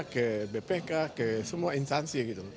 ke bpk ke semua instansi gitu